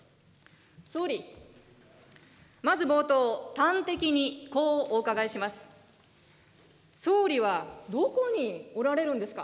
総理、まず冒頭、端的にこうお伺いします。